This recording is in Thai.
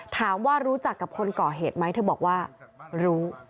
ถามว่ารู้จักกับคนก่อเหตุไหมเธอบอกว่ารู้